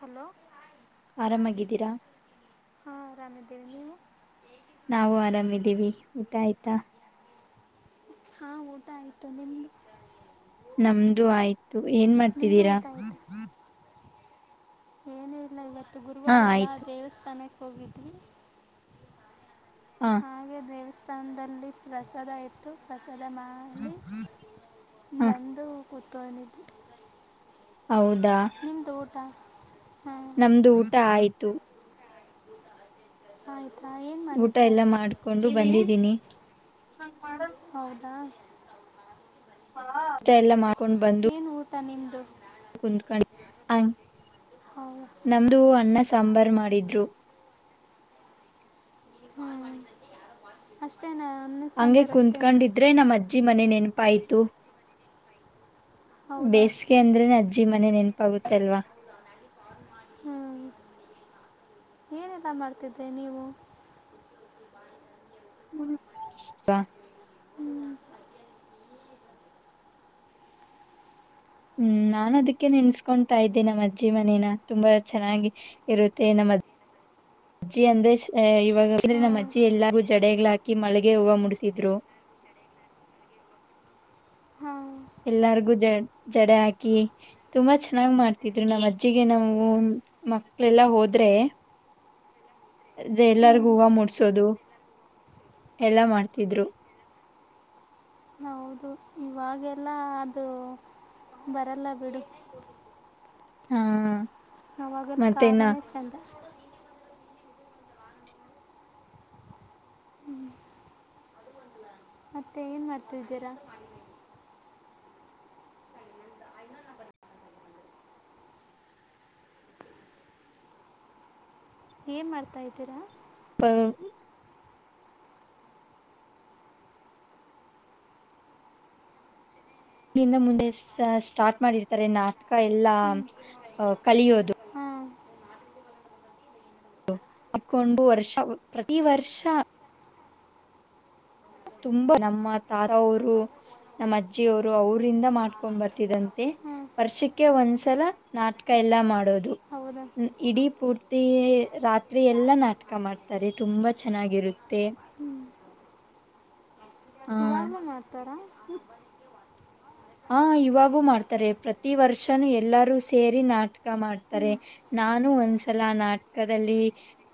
hello ಆರಾಮಾಗಿದ್ದೀರಾ ಹಾ ರಾಮ ದೇವಿ ನೀವು ನಾವು ಆರಾಮಿದ್ದೀವಿ ಊಟ ಆಯ್ತಾ ಹಾ ಊಟ ಆಯತ ನಿಮ್ದು ನಮ್ದು ಆಯ್ತು ಏನ್ ನಿಮ್ಮದು ಮಾಡಾ್ತಿದ್ದೀರಾ ಏನ ಇಿಲ್ಲ ಇವತ್ತು ಇವತ್ತು ಹಾ ಗುರುವಾರಲ್ಲ ಆಯ್ತು ದೇವಸ್ಥಾನಕ್ಕೆ ಹೋಗಿದ್ವಿ ಹಾ ಹಾಗೆ ದೇವಸ್ಥಾನ ಸ್ಥಾನದಲ್ಲಿ ಪ್ರಸಾದ ಇತ್ತು ಪ್ರಸ ಎಲ್ಲಾ ಮಾಡಿ ಹಾ ಬಂದು ಕುಂತೋಡಿದ್ವಿ ಹೌದಾ ನಿಮ್ದು ಊಟ ಹಾಂ ನಮ್ದು ಊಟ ಆಯ್ತು ಆಯ್ತು ಊಟ ಎಲ್ಲಾ ಮಾಡ್ಕೊಂಡು ಬಂದಿದ್ದೀನಿ [inaudible] ಹೌದಾ ಊಟ ಎಲ್ಲ ಮಾಡ ಕೊಂಡ್ ಬಂದು [unintelligible] ನಿಮದುು ಕುೂತ್ಕಣ [unintelligible] ಹೌದಾ ನಮ್ದು ಅನ್ನ ಸಾಂಬಾರ್ ಸಾಂಬಾರು ಮಾಡಿದ್ರು ಹ್ಮ್ ಅಷ್ಟೇನಾ ಅನ್ನ ಹಂಗೆ ಸಾಂಬಾರು ಅಷ್ಟೇನಾ ಕುೂತ್ಕೊಂಡಿದ್ರೆ ನಮ್ಮ ಅಜ್ಜಿ ಮನೆ ನೆನ್ ಪಾಯಿತು ಹೌದಾ ಬೇಸಿಗೆ ಅಂದ್ರೆ ನಜ್ಜ ಅಜ್ಜಿ ಮನೆ ನೆನಪಾಗುತ್ತ ಅಲ್ವಾ ಹ್ಞೂ ಏನೆಲ್ಲ ಮಾಡ್ತಿದೇ ನೀವು ಹಾ ಹ್ಮ್ ಹ್ಮ್ ನಾನ ಅದಕ್ಕೆ ನೆನ್ಸ್ಕೊತಾ ಇದ್ದೆ ನಮ್ಮ್ ಅಜ್ಜಿ ಮನೇನ ತುಂಬಾ ಚೆನ್ನಾಗಿ ಇರುತ್ತೆ ನಮ್ಮಜ್ಜ ಅಜ್ಜಿ ಅಂದ್ರೆ ಇವಾಗ ಅಂದ್ರೆ ಹಾಂ ನಮ್ಮ ಅಜ್ಜಿ ಎಲ್ಲ ಜಡೆಗಳ ಹಾಕಿ ಮಳಗೆ ಹೂವು ಮುಡಿಸಿದ್ರು ಹಾಂ ಎಲ್ಲಾರ್ಗು ಜ ಜಡೆ ಹಾಕಿ ತುಂಬಾ ಚೆನ್ನಾಗ್ ಮಾಡ್ತ ತರು ನಮ್ಮ್ಜ್ಜಿಗೆ ನಾವು ಹ್ಮ ಮಕ್ಳೆಲ್ಲಾ ಹೋದ್ರೆ ಅ ಹ್ಞೂ ಎಲ್ಲರಿಗು ಹೂವು ಮೂಡ್ಸೋದು ಎಲ್ಲ ಮಾಡ್ತ ತಿದ್ರು ಹೌದು ಇವಾಗೆಲ್ಲ ಅದು ಬರಲ್ಲ ಬಿಡು ಹಾ ನಾಗಲ್ ಕಾರಾಲಣೆ ಚಂದ ಮತ್ತೆ ಏನು ಮಾಡ್ತಿದ್ದೀರಾ ಏನ್ ಮಾಡ್ತಾ ಇದ್ದೀರಾ ಹ ಇರಿಂದ ಮುಂದೆ ಸ್ಟಾರ್ಟ್ ಮಾಡಿರ್ತಾರೆ ನಾಟಕ ಎಲ್ಲಾ ಹ್ಞೂ ಅ ಕಲಿಯೋದು ಹಾಂ ಹಕೊಂಡು ವರ್ಷ ಪ್ರತಿ ವರ್ಷ ತುಂಬಾ ನಮ್ಮ ತಾತ ಅವರು ನಮ್ಮ ಅಜ್ಜಿಯವರು ಅವ್ರಂದ ಮಾಡ್ಕೊಂಡ್ ಬರ್ತಿದಂತೆ ಹ್ಞೂ ವರ್ಷಕ್ಕೆ ಒಂದ್ಸಲ ನಾಟಕ ಎಲ್ಲಾ ಮಾಡೋದು ಹೌದಾ ್ಮ್ ಇಡೀ ಪೂರ್ತಿ ರಾತ್ರಿ ಎಲ್ಲ ನಾಟಕ ಮಾಡ್ತಾರೆ ತುಂಬ ಚೆನ್ನಾಗಿರುತ್ತೆ ಆ ಇವಾಗ್ ಭ ಮಾಡ್ತಾರಾ ಹ ಇವಾಗೂ ಮಾಡ್ತಾರೆ ಪ್ರತಿ ವರ್ಷನುೂ ಎಲ್ಲಾರೂ ಸೇರಿ ನಾಟಕ ಮಾಡ್ತಾರೆ ಹ್ಞೂ ನಾನು ಒಂದ್ಸಲ ಆ ನಾಟಕದಲ್ಲಿ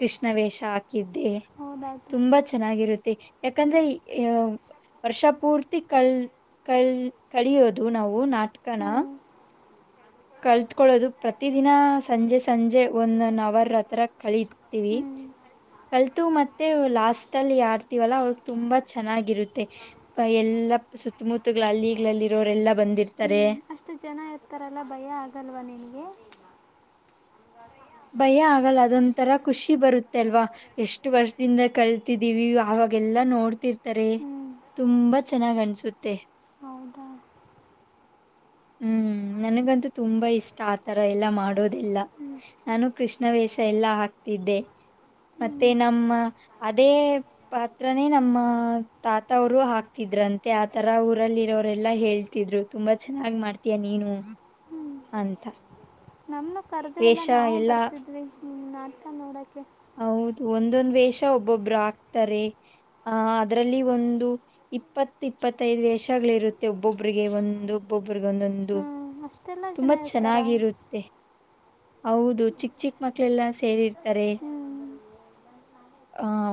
ಕೃಷ್ಣ ವೇಷ ಹಾಕಿದ್ದೆ ಹೌದಾತು ತುಂಬಾ ಚೆನ್ನಾಗಿರುತ್ತೆ ಯಾಕಂದ್ರೆ ವರ್ಷ ಪೂರ್ತಿ ಕಲ್ ಕಲ್ ಕಳಿಯೋದು ನಾವು ನಾಟಕನ ಹ್ಞೂ ಕಲ್ತ್ಕೊಳ್ಳೋದು ಪ್ರತಿ ದಿನ ಸಂಜೆ ಸಂಜೆ ಒಂದ ಒನ್ ಅವರ್ ಹತ್ರರ ಕಲತಿೀವಿ ಹ್ಞೂ ಕಲ್ತು ಮತ್ತೆ ಲಾಸ್ಟ್ ಅಲ್ಲಿ ಯಡ್ತವಲ್ಲ ಅವ್ರಗ್ ತುಂಬಾ ಚೆನ್ನಾಗಿರುತ್ತೆ ಎಲ್ಲ ಸುತ್ತಮುತ್ತಗಳ ಅಲ್ಲಿಗ್ಗಳಲ್ಲಿ ಇರೋರೆಲ್ಲಾ ಬಂದಿರ್ತ ಹ್ಮ ಅಷ್ಟು ಜನ ಇರ್ತಾರಲ್ಲ ಭಯ ಆಗ ಗಲ್ವಾ ನಿನ್ಗೆ ಭಯ ಆಗಲ್ಲ ಅದೊ್ ತರ ಖುಷಿ ಬರುತ್ತೆ ಅಲ್ವಾ ಎಷ್ಟು ವರ್ಷದಿಂದ ಕಲ್ತಿದ್ದೀವಿ ಅವಾಗೆಲ್ಲಾ ನೋಡ್ತಿರ್ತಾರೆ ಹ್ಞೂ ತುಂಬಾ ಚೆನ್ನಾಗ್ ಅನ್ಸುತ್ತೆ ಹೌದಾ ಹ್ಮ್ ನನಗಂತೂ ತುಂಬಾ ಇಷ್ಟ ಆತರ ಎಲ್ಲಾ ಮಾಡೋದೆಲ್ಲ ಹ್ಞೂ ನಾನು ಕೃಷ್ಣ ವೇಷ ಎಲ್ಲಾ ಹಾಕ್ತಿದ್ದೆ ಮತ್ತೆ ಹ್ಞೂ ನಮ್ಮ ಅದೇ ಪಾತ್ರನೇ ನಮ್ಮ ತಾತ ಅವರು ಹಾಕ್ತಿದ್ರಂತೆ ಆತರ ಊರಲ್ಲಿರೋರೆಲ್ಲಾ ಹೇಳ್ತಿದ್ರು ತುಂಬಾ ಚೆನ್ನಾಗ್ ಮಾಡ್ತೀಯ ನೀನು ಹ್ಮ್ ಅಂತ ನಮನ್ನು ಕರ್ದ ಇಲ್ಲ ವೇಷ ನಾವು ಎಲ್ಲ ಬರ್ತಿದ್ವಿ ನಾಟಕ ನೋಡೋಕ್ಕೆ ಹೌದು ಒಂದೊಂದ ವೇಷ ಒಬ್ಬೊಬ್ರು ಆಗ್ತಾರೆ ಆ ಅದ್ರಲ್ಲಿ ಒಂದು ಇಪ್ಪತ್ತು ಇಪ್ಪತ್ತೈದು ವೇಷಗಳಿ ಇರುತ್ತೆ ಒಬ್ಬೊಬ್ರಿಗೆ ಒಂದು ಒಬ್ಬೊಬ್ರಿಗೆ ಒಂದೊಂದು ಹ್ಞೂ ಅಷ್ಟೆಲ್ಲ ಜನ ತುಂಬಾ ಇರ್ತಾರಾ ಚೆನ್ನಾಗಿರುತ್ತೆ ಹೌದು ಚಿಕ್ ಚಿಕ್ ಮಕ್ಳೆಲ್ಲ ಸೇರಿರ್ತಾರೆ ಹ್ಞೂ ಆಹ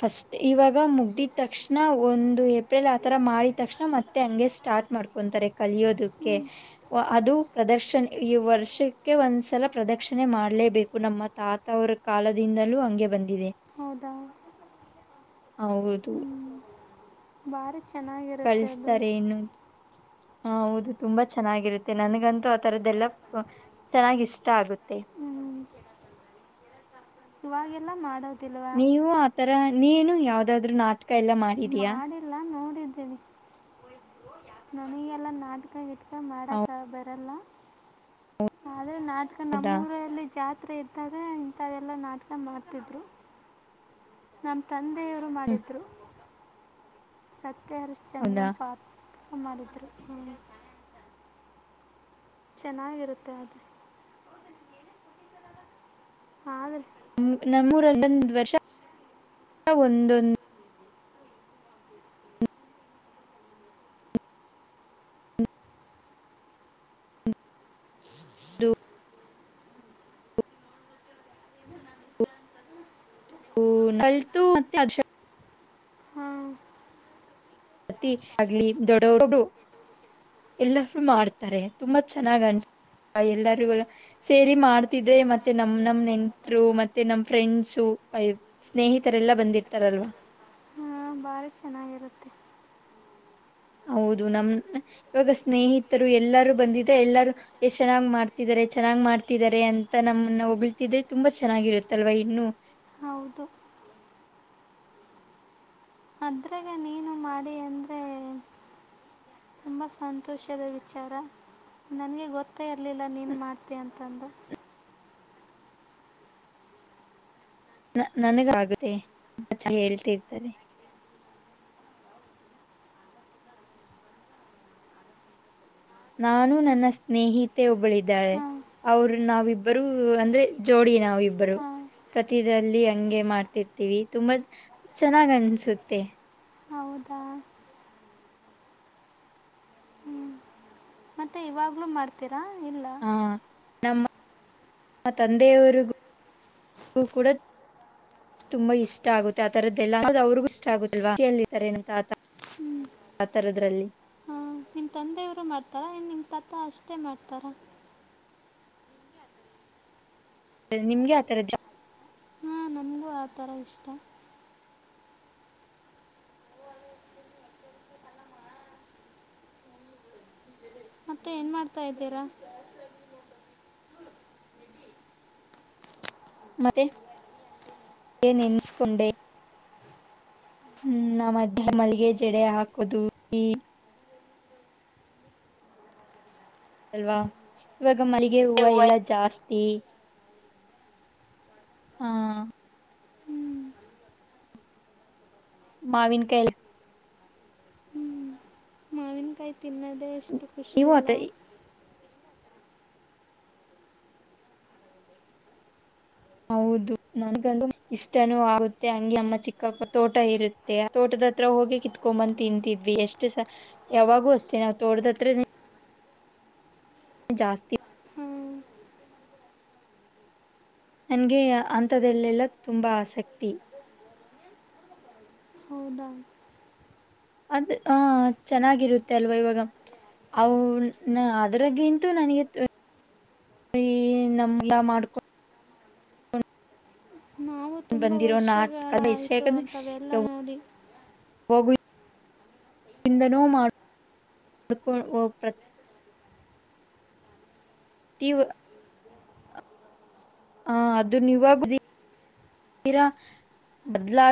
ಫಸ್ಟ್ ಇವಾಗ ಮುಗ್ದಿದ ತಕ್ಷಣ ಒಂದು ಏಪ್ರಿಲ್ ಆತರ ಮಾಡಿದ ತಕ್ಷಣ ಮತ್ತೆ ಹಂಗೆ ಸ್ಟಾರ್ಟ್ ಮಾಡ್ಕೊಂತಾರೆ ಕಲಿಯೋದಕ್ಕೆ ಹ್ಞೂ ಅದು ಪ್ರದಕ್ಷಿಣೆ ಈ ವರ್ಷಕ್ಕೆ ಒಂದ್ಸಲ ಪ್ರದಕ್ಷಿಣೆ ಮಾಡ್ಲೇಬೇಕು ನಮ್ಮ ತಾತ ಅವ್ರ ಕಾಲದಿಂದಲೂ ಹಂಗೆ ಬಂದಿದೆ ಹೌದಾ ಹೌದು ಬಾರ ಕಳಿಸತಾರೆ ಏನ್ನು ಹ ಹೌದು ತುಂಬಾ ಚೆನ್ನಾಗಿರುತ್ತೆ ನನ್ಗಂತೂ ಆ ತರದ್ದೆಲ್ಲ ಚೆನ್ನಾಗಿ ಇಷ್ಟ ಆಗುತ್ತೆ ಹ್ಞೂ ಇವಾಗೆಲ್ಲ ಮಾಡೋದು ನೀವು ಆತರ ನೀನು ಯಾವುದಾದ್ರೂ ನಾಟಕ ಎಲ್ಲ ಮಾಡಿದೀಯಾ ಮಾಡಿಲ್ಲ ನೋಡಿದ್ದು ಸರಿ ನನಗೆ ಎಲ್ಲ ನಾಟಕ ಇತ್ತು ಮಾಡಕ ಬರಲ್ಲ ಹ್ಮ ಅದೇ ನಾಟಕ ಹೌದಾ ನಮ್ಮೂಊರಲ್ಲಿ ಜಾತಿ ಹತ್ರ ಇದ್ದಾಗ ಇಂಥದೆಲ್ಲ ನಾಟಕ ಮಾಡ್ತಿದ್ರು ನಮ್ ತಂದ ದೇವರು ಹ್ಮ್ ಮಾಡಿದ್ದರು ಸತ್ಯ ಸತ್ಯ ಹರಿಶ್ಚಂದ್ರ ಹೌದಾ ಪಾತ್ರ ಅಮ್ಮದಿದ್ದರು ಹ್ಮ ಚೆನ್ನಾಗಿರುತ್ತೆ ಅದು ಹಾ ನ ನಮೂರಂದೊಂದು ವರ್ಷ ಒಂದೊಂದು ಒಂದೊಂದು [unintelligible] ಹಾಂ ಆಗ್ಲಿ ದೊಡ್ಡರು ಎಲ್ಲರು ಮಾಡ್ತಾರೆ ತುಂಬಾ ಚೆನ್ನಾಗ್ ಅನ್ ಎಲ್ಲರೂ ಇವಾಗ ಸೇರಿ ಮಾಡ್ತಿದ್ರೆ ಮತ್ತೆ ನಮ್ ನಮ್ ನೆಂಟ್ರು ಮತ್ತೆ ನಮ್ ಫ್ರೆಂಡ್ಸ್ ಸ್ನೇಹಿ ತರೆ ಎಲ್ಲಾ ಬಂದಿರ್ತಾರಲ್ವಾ ಹಾ ಭಾರಿ ಚೆನ್ನಾಗಿರುತ್ತೆ ಹೌದು ನಮ ಇವಾಗ ಸ್ನೇಹಿತರು ಎಲ್ಲಾರು ಬಂದಿದ ಎಲ್ಲಾರು ಎಷ್ಟ್ ಚೆನ್ನಾಗ್ ಮಾಡ್ತಿದಿದ್ದಾರೆ ಚೆನ್ನಾಗ್ ಮಾಡ್ತಿದ್ದಾರೆ ಅಂತ ನಮ್ಮನ್ನ ಹೊಗಳುತ್ತಿದ್ದರೆ ತುಂಬಾ ಚೆನ್ನಾಗಿರುತ್ತಲ್ವಾ ಇನ್ನು ಚೆನ್ನಾಗಿರುತ್ತಲ್ವಾ ಇನ್ನು ಹೌದು ಅದ್ರಾಗ ನೀನು ಮಾಡಿ ಅಂದ್ರೆ ತುಂಬ ಸಂತೋಷದ ವಿಚಾರ ನನಗೆ ಗೊತ್ತೇ ಇರಲಿಲ್ಲ ನೀನು ಮಾಡ್ತ ಅಂತಂದು ನನಗಾಗುತ್ತೆ ಅ ಚ ಹೇಳ್ತಿರ್ತಾರೆ ನಾನು ನನ್ನ ಸ್ನೇಹಿತೆ ಒಬ್ಬಳಿದ್ದಾಳೆ ಹಾ ಅವರು ನಾವಿಬ್ಬರು ಅಂದ್ರೆ ಜೋಡಿ ನಾವಿಬ್ಬರು ಹಾ ಪ್ರತಿದಲ್ಲಿ ಹಂಗೆ ಮಾಡ್ತಿರ್ತೀವಿ ತುಂಬಾ ಚೆನ್ನಾಗ್ ಅನ್ಸುತ್ತೆ ಹೌದಾ ಮತ್ತೆ ಇವಾಗ್ಲೂ ಮಾಡ್ತೀರ ಾ ಇಲ್ಲ ನಮ್ಮ ನಮ್ಮ ತಂದೆಯವರಿಗೂಗೂ ಕೂಡ ತುಂಬಾ ಇಷ್ಟ ಆಗುತ್ತೆ ಆತರದ್ದೆಲ್ಲ ಅವ್ರಿಗೂ ಇಷ್ಟ ಆಗುದಲ್ವಾತ ಹ್ಞೂ ಆತರದ್ರಲ್ಲಿ ನಿ ತಂದೆಯವರು ಮಾಡ್ತಾರ ಇ ನಿಮ್ಮ ತತ್ತ ಅಷ್ಟೇ ಮಾಡ್ತಾರ ನಿಮ್ಗೆ ಆಥರ ಜ ನಂಗೂ ಆ ಥರ ಇಷ್ಟ ಮತ್ತೆ ಏನ್ ಮಾಡ್ತಾ ಇದಿರ ಮತ್ತೆ ನೆನ್ಸ್ಕೊಂಡೆ ಹ್ಮ ನ ಮಲ್ಲಿಗೆ ಜಡೆ ಹಾಕೋದು ಅಲ್ವಾ ಇವತ್ತು ಈ ಮಲ್ಲಿಗೆ ಹೂವು ಎಲ್ಲ ಜಾಸ್ತಿ ಈ ಹಾ ಹ್ಞೂ ಮಾವಿನ್ ಕಲ [inaudible] ತಿನ್ನದ ಎಷ್ಟು ನೀವು ಖುಷಿಯಲ್ಲ ಆತ ಹೌದು ನನ್ಗ ಇಷ್ಟನೂ ಆಗುತ್ತೆ ಹಂಗಗೆ ಅಮ್ಮ ಚಿಕ್ಕಪ್ಪ ತೋಟ ಇರುತ್ತೆ ತೋಟದತ್ರ ಹೋಗಿ ಕಿತ್ಕೊಂಬಂದ್ ತಿಂತಿದ್ವಿ ಎಷ್ಟು ಸ ಯಾವಾಗೂ ಅಷ್ಟೇ ನಾವ್ ತೋಟದತ್ರ ಜಾಸ್ತಿ ಹಾಂ ನನ್ಗೆ ಹಂತದಲ್ಲೆಲ್ಲ ತುಂಬ ಆಸಕ್ತಿ ಹೌದ ಅದ್ ಹ ಚೆನ್ನಾಗಿರುತ್ತೆ ಅಲ್ವಾ ಇವಾಗ ಅವ್ ನ ಅದ್ರಗ್ಂತೂ ನನಗೆ ನಮ್ಮಲ್ಲ ಮಾಡ್ಕೊಂಡ ನಾವು ತುಂಬ ಬಂದಿರೋ ನಾಟಕ ಅಂದ್ರೆ ವರ್ಷಗಳಾಯಿತು ಅಂಥವೆಲ್ಲ ನೋಡಿ ಹೋಗು ಇಿಂದನೂ ಮಾಡಕುವ [unintelligible] [inaudible] ಹ ಅದುನಾ ಇವಗ್ಲು ತೀರಾ ಬದ್ಲಾ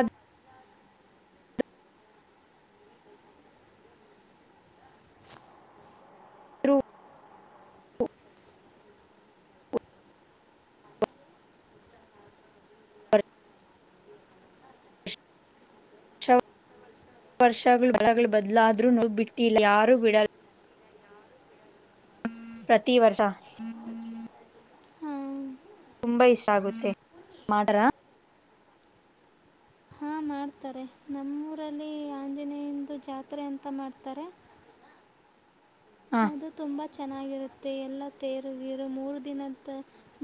ವರ್ಷಗಳು ಬದಲಾದ್ರೂ ನೋ ಬಿಟ್ಟಿಲ್ಲ ಯಾರೂ ಬಿಡಲ್ಲ ಪ್ರತಿ ವರ್ಷ ಹಾಂ ತುಂಬಾ ಇಷ್ಟ ಆಗುತ್ತೆ ಮಾಡ್ರ ಹಾ ಮಾಡ್ತಾರೆ ನಮ್ಮೂರಲ್ಲಿ ಆಂಜನೇಯಂದು ಜಾತ್ರೆ ಅಂತ ಮಾಡ್ತಾರೆ ಹಾ ಅದು ತುಂಬ ಚೆನ್ನಾಗಿರುತ್ತೆ ಎಲ್ಲ ತೇರುಗೀರು ಮೂರು ದಿನದ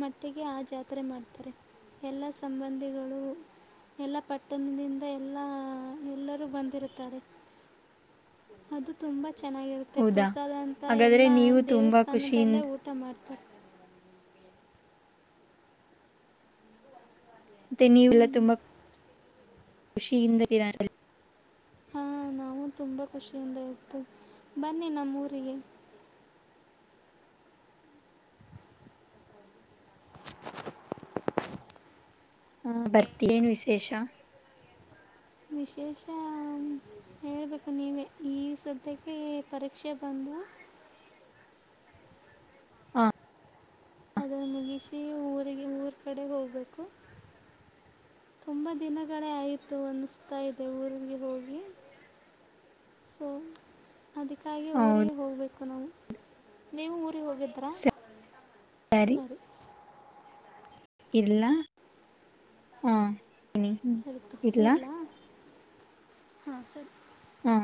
ಮಟ್ಟಿಗೆ ಆ ಜಾತ್ರೆ ಮಾಡ್ತಾರೆ ಎಲ್ಲ ಸಂಬಂಧಿಗಳು ಎಲ್ಲ ಪಟ್ಟಣದಿಂದ ಎಲ್ಲ ಎಲ್ಲರೂ ಬಂದಿರುತ್ತಾರೆ ಅದು ತುಂಬಾ ಚೆನ್ನಾಗಿರುತ್ತೆ ಹೌದಾ ಪ್ರಸಾದ ಅಂತ ಹಾಗಾದ್ರೆ ಎಲ್ಲ ನೀವು ತುಂಬಾ ದೇವಸ್ಥಾನದಲ್ಲೇ ಖುಷಿಯಿಂದ ಊಟ ಮಾಡ್ತಾರೆ ಂತೆೆ ನೀವುಲ್ಲ ತುಂಬಾ ಖುಷಿಯಿಂದರ ಹಾಂ ನಾವು ತುಂಬಾ ಖುಷಿಯಿಂದ ಇರ್ತೇವಿ ಬನ್ನಿ ನಮ್ಮ ಊರಿಗೆ ಹ ಬರ್ತ ಏನು ವಿಶೇಷ ವಿಶೇಷ ಹೇಳ್ಬೇಕು ನೀವ ಈ ಸದ್ಯಕ್ಕೆ ಪರೀಕ್ಷೆ ಬಂದು ಹಾ ಅದ ಮುಗಿಸಿೆ ಊ ಹಾಗೆ ಊರು ಕಡೆ ಹೋಗ್ಬೇಕು ತುಂಬಾ ದಿನಗಳೇ ಆಯ್ತು ಅನಸ್ತಾ ಇದೆ ಊರಿಗೆ ಹೋಗಿ ಸೊ ಅದಕ್ಕಾಗಿ ಊರಿಗೆ ಹೌದು ಹೋಗ್ಬೇಕು ನಾವು ನೀವು ಊರಿಗೆ ಹೋಗಿದ್ರಾ ಸರಿ ಇಲ್ಲ ಹಾ ಇಡ್ಲ ಹಾ ಸರಿ ಹಾ